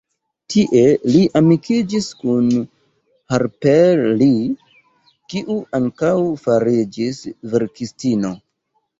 Tie li amikiĝis kun Harper Lee, kiu ankaŭ fariĝis verkistino.